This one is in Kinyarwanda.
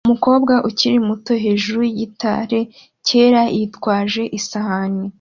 Umukobwa ukiri muto hejuru yigitare cyera yitwaje isahani